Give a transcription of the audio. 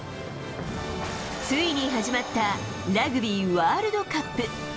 ついに始まったラグビーワールドカップ。